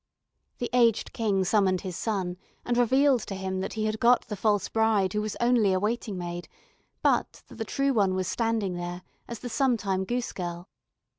The aged King summoned his son, and revealed to him that he had got the false bride who was only a waiting maid, but that the true one was standing there, as the sometime goose girl.